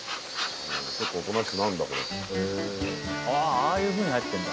ああいうふうに入ってんだ。